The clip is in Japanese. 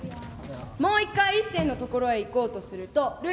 もう一回一清の所へ行こうとするとる